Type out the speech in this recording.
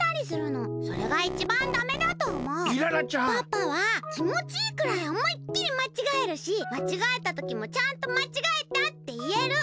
パパはきもちいいくらいおもいっきりまちがえるしまちがえたときもちゃんとまちがえたっていえる。